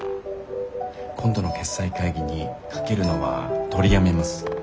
今度の決裁会議にかけるのは取りやめます。